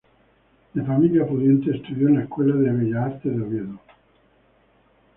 De familia pudiente, estudió en la Escuela de Bellas Artes de Oviedo.